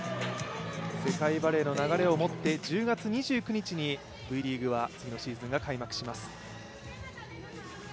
世界バレーの流れをもって１０月２９日にＶリーグは次のシーズンが開幕します。